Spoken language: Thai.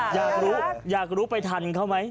อยากรู้อยากรู้ไปทันเขาไหม